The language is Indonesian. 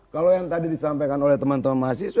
kalau yang tadi disampaikan oleh teman teman mahasiswa